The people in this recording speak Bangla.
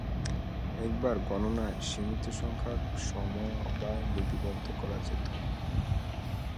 একবার গণনায় সীমিত সংখ্যক সমবায় লিপিবদ্ধ করা যেত।